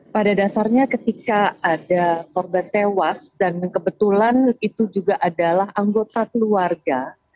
pada dasarnya ketika ada korban tewas dan kebetulan itu juga adalah anggota keluarga